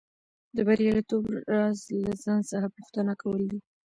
د بریالیتوب راز له ځان څخه پوښتنه کول دي